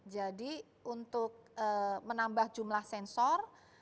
jadi untuk menambah jumlah sensor